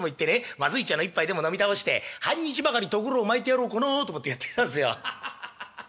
まずい茶の一杯でも飲み倒して半日ばかりとぐろを巻いてやろうかなと思ってやって来たんすよハハハハ」。